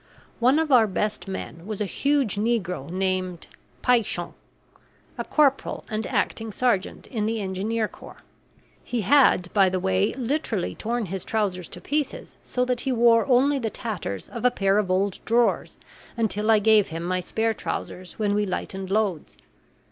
One of our best men was a huge negro named Paixao Paishon a corporal and acting sergeant in the engineer corps. He had, by the way, literally torn his trousers to pieces, so that he wore only the tatters of a pair of old drawers until I gave him my spare trousers when we lightened loads.